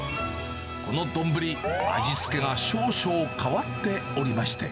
この丼、味付が少々変わっておりまして。